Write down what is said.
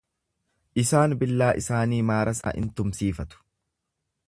Isaan billaa isaanii maarasaa in tumsiifatu.